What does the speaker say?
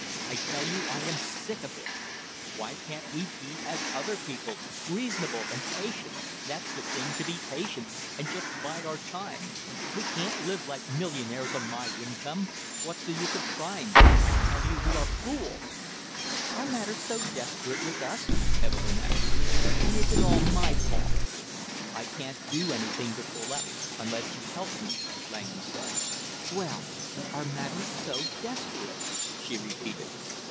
I tell you, I am sick of it! Why can't we be as other people, reasonable and patient that's the thing, to be patient, and just bide our time. We can't live like millionaires on my income, what's the use of trying I tell you we are fools!" "Are matters so desperate with us?" Evelyn asked. "And is it all my fault?" "I can't do anything to pull up unless you help, me," Langham said. "Well, are matters so desperate?" she repeated.